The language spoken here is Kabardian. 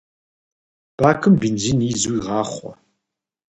Бакым бензин изу игъахъуэ.